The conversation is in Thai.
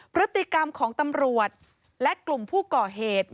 พฤติกรรมของตำรวจและกลุ่มผู้ก่อเหตุ